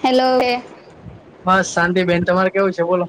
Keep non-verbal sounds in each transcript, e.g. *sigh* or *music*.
Hello બસ શાંતિબેન તમારે કેવું છે બોલો?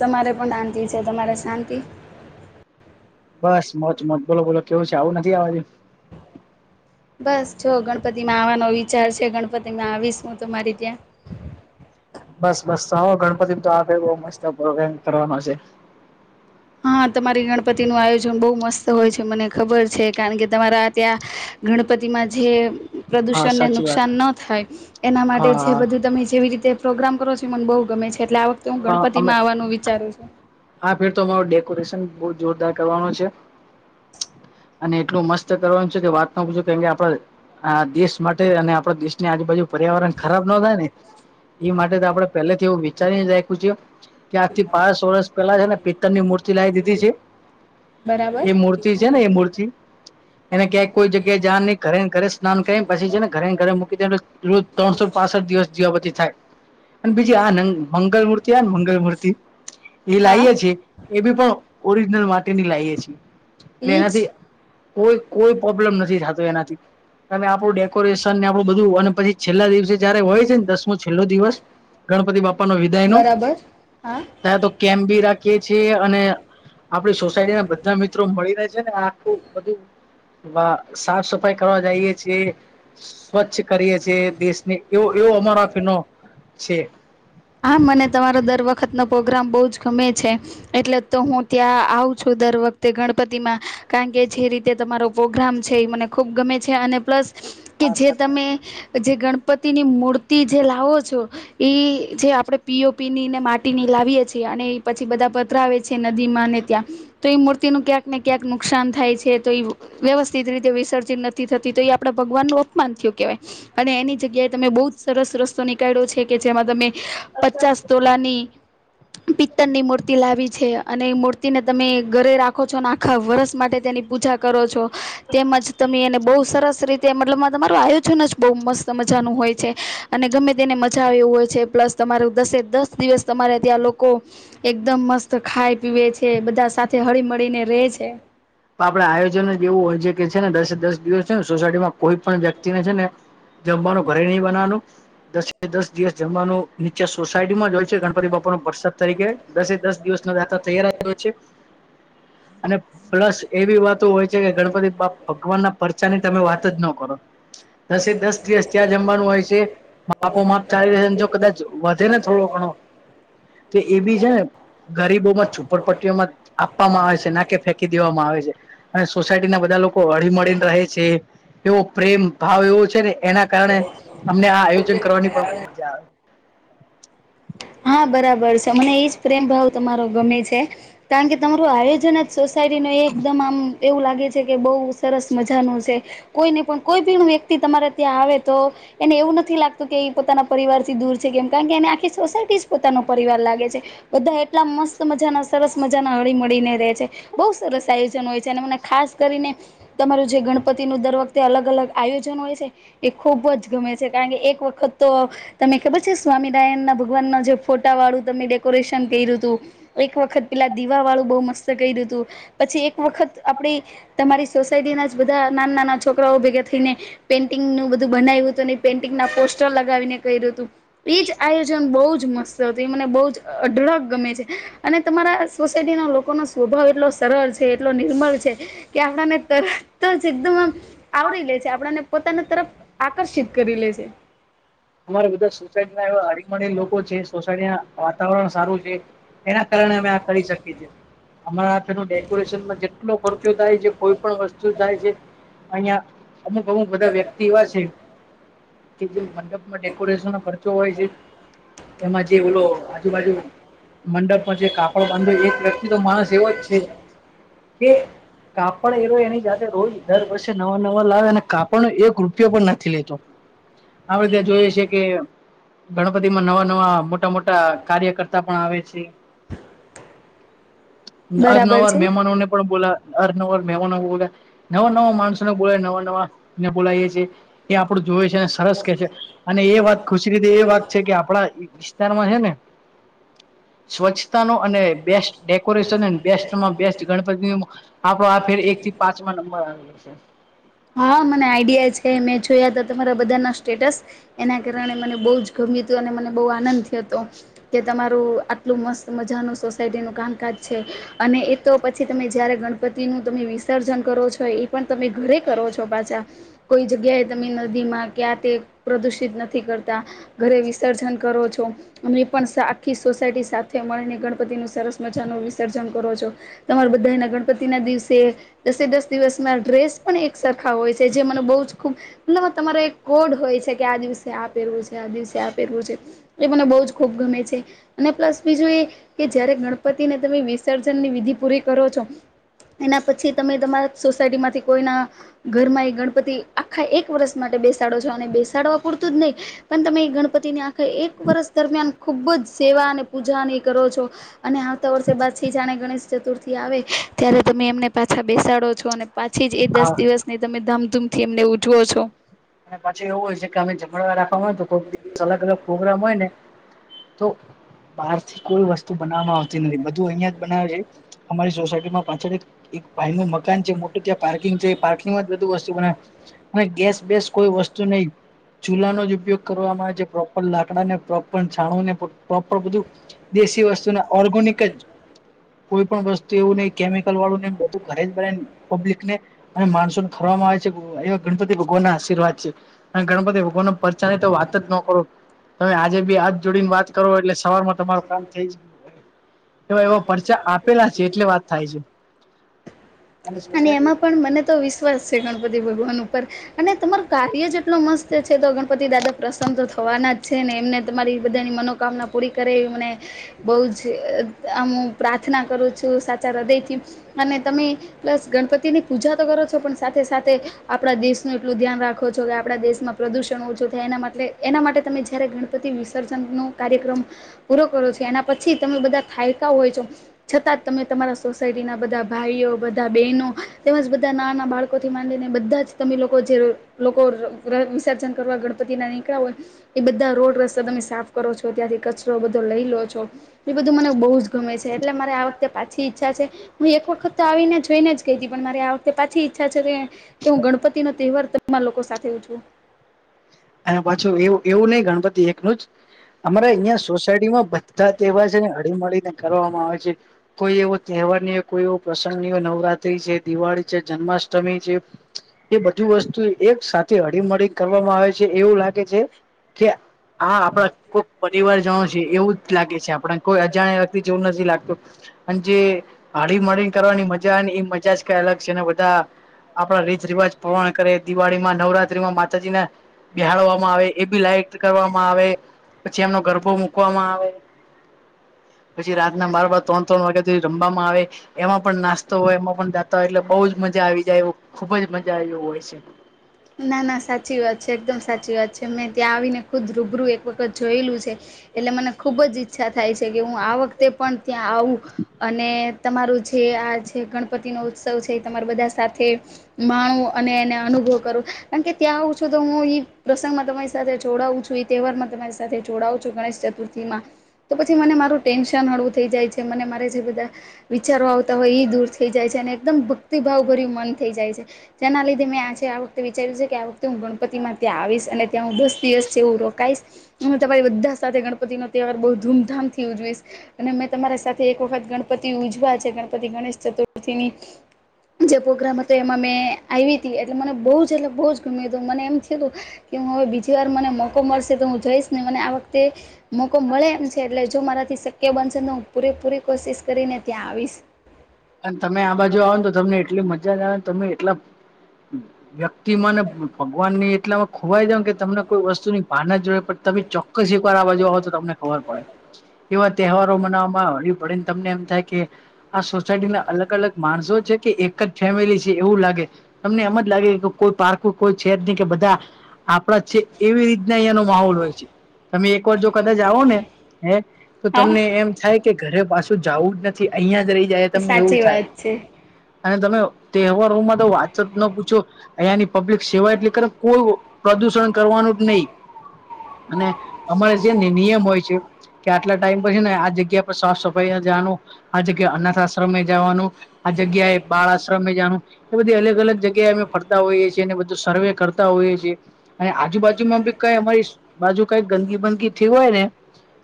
તમારે પણ આંતી છે. તમારે શાંતિ? બસ મોજ મોજ બોલો બોલો કેવું છે આવું નથી આ બાજુ? બસ જો ગણપતિમાં આવાનો વિચાર છે. ગણપતિમાં આવીશ હું તમારી ત્યાં બસ બસ આવો ગણપતિમાં તો આ ભેગો મસ્ત પ્રોગેમ કરવામાં છે. હા તમારી ગણપતિનું આયોજન બહુ મસ્ત હોય છે. મને ખબર છે કારણ કે તમારા ત્યાં ગણપતિમાં જે હા પ્રદૂષણને સાચી વાત નુકસાન ન થાય એના માટે હા જે બધું તમે જેવી રીતે પ્રોગ્રામ કરો છો ઈ મને બહુ ગમે છે. એટલે આ વખ તો હું હા અમે ગણપતિમાં આવાનું વિચારું છું. કોરેશન બહુ જોરદાર કરવાનું છે. અને એટલું મસ્ત કરવાનું છે કે વાત ન પૂછો કેમ કે આપણા આ દેશ માટે અને આપડા દેશની આજુબાજુ પર્યાવરણ ખરાબ નો થાય ને ઈ માટે તો આપણે પેલેથી એવું વિચારીને જ રાખ *inaudible* કે આજ થી પાસ વર્ષ પેલા છે ને પિત્તર ની મૂર્તિ લાવી દીધી છે. બરાબર એ મૂર્તિ છે ને એ મૂર્તિ એને ક્યાંક કોઈ જગ્યાએ જાવાનું નહી ઘરે ને ઘરે સ્નાન કરીને પછી છે ને ઘરે ને ઘરે મૂકી દેવાનું. રોજ ત્રણસો પાસઠ દિવસ દીવાબતી થાય અને બીજી આ મંગલમૂર્તિ કેવાય ને મંગલમૂર્તિ એ હા લાઈએ છીએ. એ બી પણ ઓરિજનલ માટીની લાઈએ છીએ. એટલે એજ એનાથી કોઈ કોઈ પ્રોબ્લેમ નથી થતો એનાથી તમે આપણું ડેકોરેશન ને આપણું બધું અને પછી છેલ્લા દિવસે જયારે હોય છે ને દસમો છેલ્લો દિવસ ગણપતિ બાપા નો વિદાયનો બરાબર હા ત્યાં તો કેમ્પ બી રાખીએે છીએ અને આપડી સોસાયટીના બધા મિત્રો મળીને છે ને આખું બધું વાહ! સાફ સફાઈ કરવા જાઈએ છીએ. સ્વચ્છ કરીએ છીએ. દેશને એવો એવો અમારા આ ફીનો છે. હા મને તમારો દર વખતનો પ્રોગ્રામ બહુ જ ગમે છે એટલે તો હું ત્યાં આવું છું દર વખતે ગણપતિમાં કારણ કે જે રીતે તમારો પ્રોગ્રામ છે એ મને ખૂબ ગમે છે અને પ્લસ કે આ જે તમે સાથે જે ગણપતિની મૂર્તિ જે લાવો છો એ જે આપણે પીઓ પીની ને માટીની લાવીએ છીએ અને એ પછી બધા પધરાવે છે નદીમાં ને ત્યાં તો એ મૂર્તિનું ક્યાંક ને ક્યાંક નુકસાન થાય છે તો એ વ્યવસ્થિત રીતે વિસર્જન નથી થતી તો એ આપણે ભગવાનનું અપમાન થયું કહેવાય અને એની જગ્યાએ તમે બહુ જ સરસ રસ્તો નીકળ્યો છે કે જેમાં તમે પચાસ તોલાની પિત્તર ની મૂર્તિ લાવી છે અને મૂર્ વતિને તમે ઘરે રાખો છો અને આખા વરસ માટે તેની પૂજા કરો છો તેમજ તમે એને બહ સરસ રીતે મતલબ તમારું આયોજન બહુ મસ્ત મજાનું હોય છે અને ગમે તેને મજા આવવી હોય છે પ્લસ તમારું દસે દસ દિવસ તમારે ત્યાં લોકો એકદમ મસ્ત ખાય પીવે છે બધા સાથે હળી મળીને રે છે આપડે આયોજન જ એવું હોય છે છે ને દસે દસ દિવસ છે સોસાયટીમાં કોઈ પણ વ્યક્તિને છે ને જમવાનું ઘરે નહી બનાવાનું દસે દસ દિવસ જમવાનું નીચે સોસાયટીમાં જોય છે ગણપતિ બાપા નો વરસાદ તરીકે દસે દસ દિવસ ન જાતા તૈયાર હોય છે અને પ્લસ બ એવી વાતો હોય છે કે ગણપતિ બાપ ભગવાન ના પરચા ની તમે વાત જ ન કરો દસે દસ દિવસ ત્યાં જમવાનું હોય છે માપો માપ ચાલી રહે જો કદાચ વધે ને થોડો ઘણો તો એ બી છે ને છપરપટ્ટઓ માં આપવામાં આવે છે નાકે ફેંકી દેવામાં આવે છે સોસાયટીનાધા બધા લોકો હળી મળળીને રહે છે એવો પ્રેમ ભાવ એવો છે ને એના કારણે અમને આ આયોજન કરવાની પણ મજા આવે હા બરાબર છે મને એજ પ્રેમ ભાવ તમા ગમે છે કારણ કે તમારું આયોજન શરીરનો એકદમ આમ એવું લાગે છે કે બઉુ સરસ મજાનું છે કોઈ નહી પણ કોઈ ભી વ્યક્તિ તમારે ત્યાં આવે તો એને એવું નથી લાગતું કે પોતાના પરિવાર થી દૂર છે કેમ કારણ કે એને આખી *inaudible* પોતાનો પરિવાર લાગે છે બધા *unintelligible* એટલા મસ્ત મજા ના સરસ મજા ના હળી મળીને રેય છે બો સરસ આયોજન હોય છે‌ અને મને ખાસ કરીને તમારું જે ગણપતિ નું દર વખતે અલગ અલગ આયોજન હોય છે એ ખુબ જ ગમે છે કારણ કે એક વખત તો તને ખબર છે સ્વામિનારાયણ ના ભ ભગવાન જે ફોટા વાળું તમે ડેકોરેશન કર્યું હતું એક વખત પેલા દીવા વાળું બો મસ્ત કર્યું હતું પછી એક વખત આપડી તમારી સોસાયટી ના જ બધા નાના નાના છોકરાઓ ભેગા થઈને પેઇન્ટિંગ નું બધું બનાવ્યું હતું અને પેઇન્ટિંગ ના પોસ્ટર લગાવીને કર્યું હતું એજ આ ન બો જ મસ્ત હતું મને બો જ અઢળક ગમે છે અને તમારા સોસાયટી ના લોકોનો સ્વભાવ એટલો સરળ છે એટલો નિર્મળ છે કે આપણાને તરત જ એકદમ આવરી લે છે આપને પોતાના તરફ આકર્ષિત કરી લે છે અમારે બધા સોચાઈજ *unintelligible* હારી લોકો છે *inaudible* વા ચાંદોદ એક એના કારણે અમે કરી શકીએ અમા ડેકોરેશનમાં જેટલો ખર્ચો થાય છે કોઈ પણ વસ્તુ થાય છે *unintelligible* અમુક અમુક બધા વ્યક્તિ એવા છે કે જે મ ડેકોરેશન ખર્ચો હોય છે એમાં જે ઓલો આજુબાજુ મંડપમાં જે કાપડ બાંધો એક વ્યક્તિ તો માણસ એવો જ છે કે કાપડ *unintelligible* એની જાતે રોજ દર વર્ષે નવા નવા લાવે અને કાપડનો એક રૂપિયો પણ નથી લેતો *unintelligible* જોએ છે કે ગણપતિ માં નવા નવા મ મોટા મોટા કાર્ય કરર્તા પણ આવે છે બરાબર અરનવાર છે. મહેમાનોને પણ બોલા અર નર મેમાનો બોલે નવા નવા માણસો નો બોલે નવા નવા બોલાઈ છી છે એ આપડું જોવે છે અને સરસ કે છે અને એ વાત ખુશી રીતે એ વાત છે કે આપણા વિસ્તાર હે ને સ્વચ્છતા ન અને બેસ્ટ ડેકોરેશન બેસ્ટમાં બેસ્ટ ગણપતિ આપડો આ ફેર એક થી પાંચમા નંબર આવયો છે હા મને આઈડિયા છે મેં જોયા ત તમારા બધાના સ્ટેટસ એના કારણે મને બો જ ગમ્યું હતું અને મને બો આનંદ થીયો હતો કે તમારું આટલું મસ્ત મજાનું સોસાયટીનું કામકાજ છે અને એ તો પછી તમે જ્યારે ગણપતિનું તમે વિસર્જન કરો છો એ પણ તમે ઘરેક કરો છો પાછા કોઈ જગ્યાએ તમે નદી માં ક્યાં તે પ્રદુષિત નથી કરતા ઘરે વિસર્જન કરો છો અમને પણ આખી સોસાયટી સાથે મળીને ગણપતિ નું સરસ મજા નું વિસર્જન કરો છો તમારા બધાના ગણપતિ ના દિવસે દસે દસ દિવસમાં ડ્રેસ પણ એક સરખા હોય છે જે મને બો જ ખુબ એતલ તમારો એક કોડ હોય છે કે આ દિવસે આ પહેરવું છે આ દિવસે આ પહેરવું છે એ મને બહુ જ ખૂબ ગમે છે અને પ્લસ બીજું એ કે જયારે ગણપતિને તમે વિસર્જનની વિધિ પૂરી કરો છો એના પછી તમે તમારા સોસાયટી માંથી કોઈના ઘરમાં એ ગણપતિ આખા એક વર્ષ માટે બેસાડો છો અને બેસાડવા પૂરતું જ નહીં પણ તમે એ ગણપતિને આ એક વર્ષ દરમિયાન ખૂબ જ સેવા અને પૂજાની કરો છો અને આવતા વર્ષે બાદ છે જાણે ગણેશ ચતુર્થી આવે ત્યારે તમે એમને પાછા બેસાડો છો અને પા છેજ એ દસ હા દિવસ ને તમે ધામ તમથી એમને ઉજવો છો. વ રા તો કોઈક દિવ અલગ અલગ પ્રોગ્રામ હોય ને તો બહાર થી કોઈ વસ્તુ બનાવવામાં આવતી નથી બધું અહિયાં જ બનાવે છે અમારી સોસાયટીમાં પાછળ એક ભાઈ નું મકાન છે મોટું ત્યાં પાર્કિંગ છે પાર્કિંગમાં બધું વસ્તુ બનાવે ગેસ બે કોઈ વસ્તુ નહી ચૂલાનો જ ઉપયોગ કરવામાં આવે છે પ્રોપર લાકડાને પ્રોપર છાણું ને પ્રોપર બધું દેશી વસ્તુને ઓર્ગેનિક જ કોઈ પણ વસ્તુ એવું નહી કેમિકલ વાળું ન બધું ઘરે જ બ પ્લિકને અને માણસોને ખરવામાં આવે છે એવા ગણપતિ ભગવાન ના આશીવાત છે ગણપતિ ભગવાનના પરચાની તો વાત જ ન કરો. *unintelligible* આજે બી હાથ જોડીને વાત કરો એટલે સવારમાં તમારું કામ થઈ જ એવા પરચા આપેલા છે એટલે વાત થાય છે. અને એમાં પણ મને તો વિશ્વાસ છે ગણપતિ ભગવાન ઉપર અને તમાર કાર્ય જેટલો મસ્ત છે તો ગણપતિ દાદા પ્રશન્ન તો થવાના જ છે ને એમને તમારી બધાની મનોકામના પૂરી કરે એવી મને બૌ જ આમું પ્રાર્થના કરું છું. સાચા હૃદયથી અને તમે પ્લસ ગણપતિની પૂજા તો કરો છો પણ સાથે સાથે આપણા દેશનું એટલું ધ્યાન રાખો છો કે આપણા દેશમાં પ્રદૂષણ ઓછું થાય એના માટે એના માટે તમે જ્યારે ગણ પતિ વિસર્જન નો કાર્યક્રમ પૂરો કરો છો એના પછી તમે બધા થાયકા હોય છો છતાં તમે તમારા સોસાયટી ના બધા ભાઈઓ બધા બહેનો તેમજ બધા નાના બાળકોથી માંડીને બધા જ તમે લોકો જે લોકો વિસર્જન કરવા ગણપતિ ના નીકળ્યા હોય એ બધા રોડ ર તમે સાફ કરો છો ત્યાંથી કચરો બધો લઈ લો છો એ બધું મને બહુ જ ગમે છે એટલે મારે આ વખતે પાછી ઈચ્છા છે હું એક વખત તો આવીને જોઈને જ કહી હતી પણ મારી આ વખતે પાછી ઈચ્છા છે કે હું ગણપતિ નો તહેવાર તમા લોકો સાથે ઉ છું અને પાછું એવું એવું નઈિ ગણપતિ એકનું જ અમારા અહિયાં સોસાયટી માં બધા તેવાર છે ને હળીમળીને કરવામાં આવે છે કોઈ એવો તહેવાર ની હોય કોઈ એવો પ્રસંગ ની હોય નવરાત્રી છે દિવાળી છે જન્માષ્ટમી છે એ બધું વસ્તુ એક સાથે હળીમળી કરવામાં આવે છે. એવું લાગે છે કે આ આપડા પરિવાર જાણો છ એવું જ લાગે છે આપડ કોઈ અજાણ્યા વ્યક્તિ જેવું નથી લાગતું અન જે હડી માળ કરવાની મજા ને એ મજા જ કઈ અલગ છે ને બધા આપણા રીત રિવાજ પવણ કરે દિવાળી માં નવરાત્રી માં માતાજીને બહાડવામાં આવે એ બી લઇટ કરવામાં આવે પછી એમનો ગરભો મકવામાં આવે પછી રાતના બરબર ત્રણ ત્રણ વાગે રમવામાં આવે એમાં પણ નાસ્તો હોય એમાં પણ તો એટલે બઉુ જ મજા આવી જાય એ ખુબ જ મજા આવ હોય છે. ના ના સાચી વાત છે એકદમ. સાચી વાત છે મેં ત્યાં આવીને ખુદ રૂબરૂ એક વખત જોયેલું છે. એટલે મને ખૂબ જ ઈચ્છા થાય છે કે હું આ વખતે પણ ત્યાં આવું અને તમારું જે આ જે ગણપતિ નો ઉત્સવ છે તમારા બધા સાથે મા અને એને અનુભવ કરું. કારણ કે ત્યાં આવું છું તો હું પ્રસંગમાં તમારી સાથે જોડાવું છું એ તહેવારમાં તમારી સાથે જોડાવું છું, ગણેશ ચતુર્થી માં. તો પછી મને મારું ટેન્શન હળવું થઈ જાય છે મને મારે જે બધા વિચારો આવતા હોય એ દૂર થઈ જાય છે અને એકદમ ભક્તિભાવ ભર્યું મન થઈ જાય છે જેના લીધે મેં આજે વિચાર્યું છે કે આ વખતે હું ગણપતિમાં ત્યાં આવીશ અને ત્યાં હું દસ દિવસ છે એવું રોકાઈશ. હું તમારી બધા સાથે ગણપતિ નો તહેવાર બહુ ધૂમધામથી ઉજવીશ અને મેં તમારી સાથે એક વખત ગણપતિ ઉજવા છે ગણપતિ ગણેશ ચતુર્થીની જે પ્રોગ્રામ હતો એમાં મેં આવી હતી એટલે મને બહ એટલે બહુ જ ગમ્યું હતું મને એમ થયું તું કે હું હવે બીજી વાર મને મોકો મળશે તો હું જઈશ ને મને આ વખતે મોકો મળે એમ છે એટલે જો મારાથી શક્ય બનશેને હું પૂરેપૂરી કોશિશ કરીને ત્યાં આવીશ. અને તમે આ બાજુ આવને તો તમને એટલું મજા બા તમે એટલા મને ભગવાન ને એટલા ખોવાઈ દ કે તમને કોઈ વસ્તુ ની ભાન‌ જ ના જો પણ તમે ચોક્કસ એક વાર આ બાજુ આવો તો તમને ખબર પડે એવા તહેવારો મનાવામાં હળ પડ તમને એમ થાય કે સોસાયટી ના અલગ અલગ માણસો છે કે એક જ ફેમિલી છે એવું લાગે તમને એમ જ લાગે કે કોઈ પાર્ક કોઈ છે ન કે બધા આપણા જ છે એવી રીતના અહિયાયાનો માહોલ હોય છે તમે એક વાર જો કદાચ આવો ને હે તો તમને એમ થાય કે ઘરે પાછ જવું જ નથી અહિયાં જ રહી જાય તમને એવું સાચી થાય વાત છે. અને તમે તહેવારોમાં તો વાચત ના પૂછો અહીયાની પબ્લિક સેવા એટ કોઈ પ્રદુષણ કરવાનું જ નહી અને અમારે જેને નિયમ હોય છે કે આટલા ટાઈમ પર છે ને આ જગ્યા પર સાફ સફાઈ જવાનુ. *inaudible* તમે જવાનું આ જગ્યા એ બાળ આશ્રમ એ જાણ એ બધી અલગ અલગ જગ્યાએ અમે ફરતા હોઈએ છીએ અને બધું સર્વે કરતા હોઈએ છીએ અને આજુબાજુમાં બી કઈ અમારી બાજુ કઈ ગંદગી બંદગી થઈ હોય ને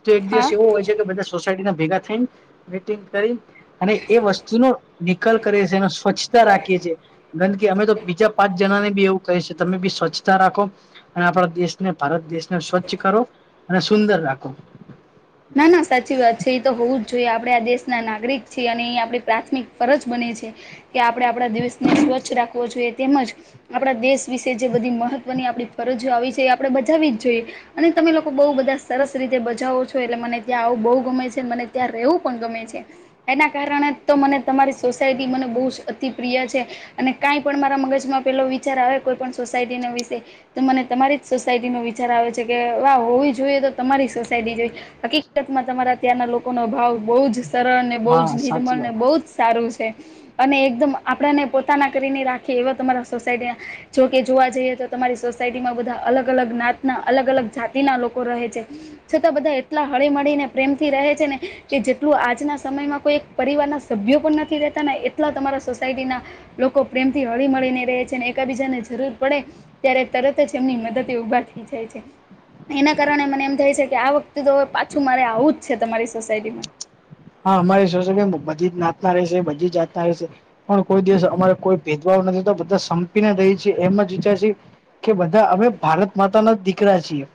તો એક દિવસ એવો હોય છે કે બધા સોસાયટી ના ભેગા થઈ ને મીટિંગ કરી અને એ વસ્તુનો નિકાલ કરીએ છીએ એનો સ્વચ્છતા રાખીએ છીએ ગંદકી અમે તો બીજા પાંચ જણા ને બી એવું કહીએ તમે બી સ્વચ્છ રાખો અને આપણા દેશને ભારત દેશ સ્વચ્છ કરો અને સુંદર રાખો. *inaudible* ના ના સાચી વાત છે એ તો હોવું જ જોઈએ આપડે આ દેશ ના નાગરિક છે અને એ આપડે પ્રાથમિક ફરજ બને છે. કે આપણે આપણા દેશને સ્વચ્છ રાખવો જોઈએ તેમજ આપણા દેશ વિશે જે બધી મહત્વની આપણી ફરજો આવી છે એ આપણે બજાવી જ જોઈએ અને તમે લોકો બહુ બધા સરસ રીતે બજાવો છો. મને ત્યાં આવું બહુ ગમે છે. મને ત્યાં રહેવું પણ ગમે છે. એના કારણે તો મને તમારી સોસાયટી મને બહુ જ અતિ પ્રિય છે. અને કાંઈ પણ મારા મગજમાં પેલો વિચાર આવે કોઈ પણ સોસાયટીના વિશે, તો મને તમારી જ સોસાયટી નો વિચાર આવે છે. કે વાહ હોવી જોઈએ તો તમારી સોસાયટી જેવ હકીકત માં તમારા ત્યાંના લોકોનો ભાવ બહુ જ સરળ ને, બહુ જ નિર્મલ, ને બહુ જ સારું છે. અને એકદમ આપણેને પોતાના કરીને રાખે એવા તમારા સોસાયટી જોકે જોવા જઈએ તો તમારી સોસાયટીમાં બધા અલગ અલગ નાતના અલગ અલગ જાતિના લોકો રહે છે. છતાં બધા એટલા હળી મળીને પ્રેમથી રહે છે ને. કે જેટલું આજના સમયમાં કોઈ એક પરિવારના સભ્યો પણ નથી રહેતા ને એટલા તમારા સોસાયટીના લોકો પ્રેમથી હળી મળીને રહે છે. ને એકબીજાને જરૂર પડે ત્યારે તરત જ એમની મદદ દે ઊભા થઈ જાય છે. એના કારણે મને એમ થાય છે કે આ વખ તો હવે પાછું મારે આવું જ છે તમારી સોસાયટીમાં. હા અમારી સોસાયટી માં બધી જ નાતના રહેશે. બધી જાતના રહેશે. પણ કોઈ દિવસ અમારે કોઈ ભેદભાવ નથી તો બધા સંપીને રહે છે. એમ જ ઈચ્છે કે બધા અમે ભારત માતા ના દીકરા છીએ.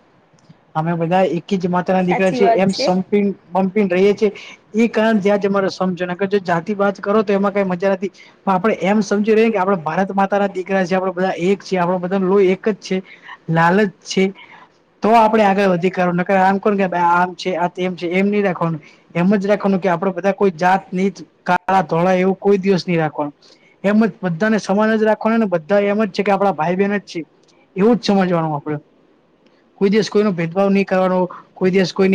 અમે બધા એક જ માતા ના દીકરા સાચી છે. વાત એમ સંપી પંપી ને રહીયે છે. એ કારણ ત્યાં જ અમારે સમજો ને અર જો જાતિ વાત કરો તો એમાં કઈ મજા નથી. હા પણ આપડે એમ સમજી રહી કે આપડ ભારત માતા ના દીકરા છે. આપડ બધા એક છે. આપડો બધાનો લોહી એક જ છે. લાલજ છે તો આપડે આગળ વધી કારું ન આમ કોણ કેાઈ આમ છે આ તેમ એમ નહી રાખવાનું. એમ જ રાવાનું કે આપણેે બધા કોઈ જાત ની કાળા ધોળ એવું કોઈ દિવસ નહી રાખવાનું. એમ જ બધાને સમાન જ રાખવાનુંને. બધા એમ જ છે કે આપડા ભાઈ બહેન જ છે. એવું જ સમજવાનું આપણે. કોઈ દિવસ કોઈ નો ભેદભાવ નહી કરવાનો. કોઈ દિવસ કોઈની